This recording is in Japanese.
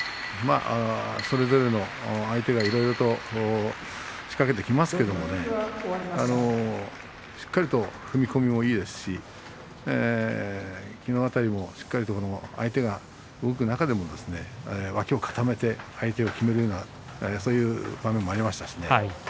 それぞれの相手がいろいろと仕掛けてきますけれどもしっかりと踏み込みもいいですしきのう辺りもしっかりと相手が動く中でも脇を固めて相手を、きめるようなそういう場面もありましたしね。